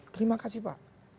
terima kasih pak